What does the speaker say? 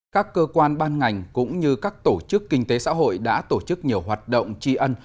các cơ quan ban ngành cũng như các tổ chức kinh tế xã hội đã tổ chức nhiều hoạt động tri ân